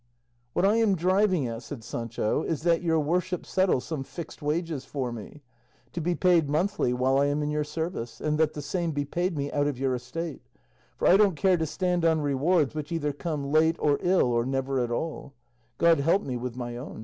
"What I am driving at," said Sancho, "is that your worship settle some fixed wages for me, to be paid monthly while I am in your service, and that the same be paid me out of your estate; for I don't care to stand on rewards which either come late, or ill, or never at all; God help me with my own.